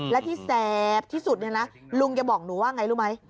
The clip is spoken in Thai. และที่แสบที่สุดเนี่ยนะลุงแกบอกหนูว่าไงรู้ไหม